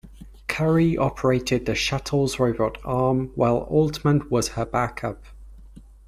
Currie operated the Shuttle's robot arm while Altman was her backup.